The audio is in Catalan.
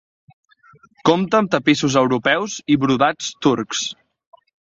Compta amb tapissos europeus i brodats turcs.